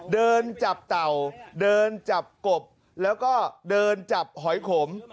เดินจับเต่าเดินจับกบแล้วก็เดินจับหอยขม